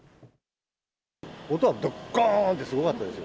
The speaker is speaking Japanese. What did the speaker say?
音はどっこーんってすごかったですよ。